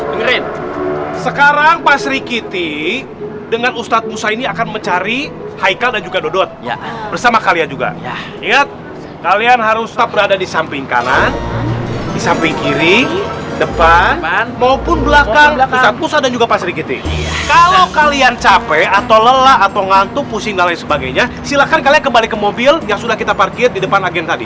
dengerin sekarang pak sri kiti dengan ustadz musa ini akan mencari haikal dan juga dodot bersama kalian juga ingat kalian harus tetap berada di samping kanan di samping kiri depan maupun belakang dan juga pak sri kiti kalau kalian capek atau lelah atau ngantuk pusing dan lain sebagainya silakan kalian kembali ke mobil yang sudah kita parkir di depan agen tadi